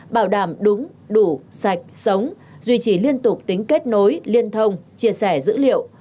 bảo đảm đúng đủ sạch sống duy trì liên tục tính kết nối liên thông chia sẻ dữ liệu